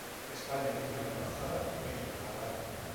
España tiene una embajada en Harare.